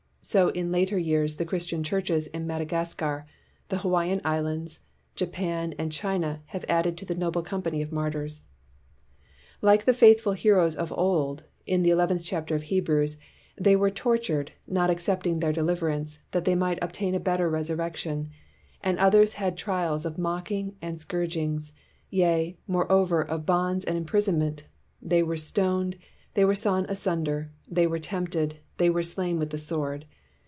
So in later years the Christian churches in Madagascar, the Hawaiian Islands, Japan, and China have added to the noble company of martyrs. Like the faithful heroes told of in the eleventh chapter of Hebrews, they were " tortured, not accepting their deliverance; that they might obtain a better resurrection : and others had trial of mockings and 248 STURDY BLACK CHRISTIANS scourgings, yea, moreover of bonds and im prisonment: they were stoned, they were sawn asunder, they were tempted, they were slain with the sword